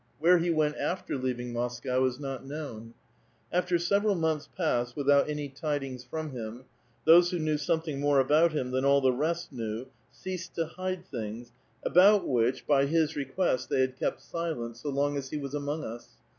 Where he went after leaving Moscow is not known. After several months passed without any tid ings from him, those who knew something more about him tihan all the rest knew ceased to hide things, about which^ by 286 A VITAL QUESTION. his request, they had kept silent so long as he was among ns.